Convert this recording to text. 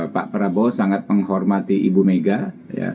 pak prabowo sangat menghormati ibu mega ya